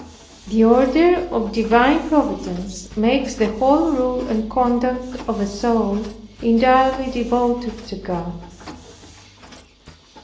The order of divine providence makes the whole rule and conduct of a soul entirely devoted to God.